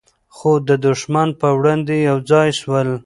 خو د دښمن په وړاندې یو ځای سول.